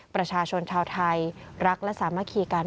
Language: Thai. ประชาชนชาวไทยรักและสามัคคีกัน